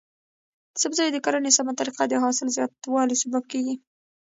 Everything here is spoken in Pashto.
د سبزیو د کرنې سمه طریقه د حاصل زیاتوالي سبب کیږي.